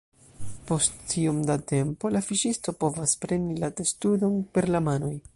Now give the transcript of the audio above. Post iom da tempo, la fiŝisto povas preni la testudon per la manoj.